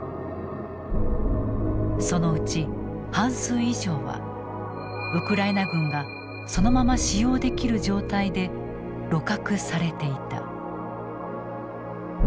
そのうち半数以上はウクライナ軍がそのまま使用できる状態で鹵獲されていた。